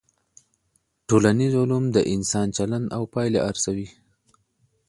ټولنيز علوم د انسان چلند او پايلي ارزوي.